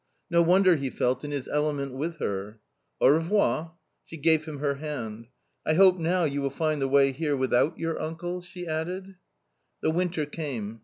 No wonder he felt in his element with /her. " Au revoir." She gave him her hand. " I hope now you will find the way here without your uncle ?" she added. The winter came.